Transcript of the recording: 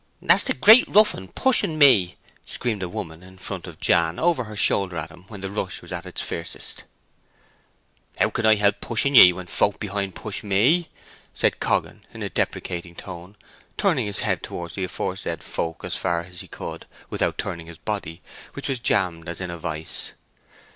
"That's the great ruffen pushing me!" screamed a woman in front of Jan over her shoulder at him when the rush was at its fiercest. "How can I help pushing ye when the folk behind push me?" said Coggan, in a deprecating tone, turning his head towards the aforesaid folk as far as he could without turning his body, which was jammed as in a vice.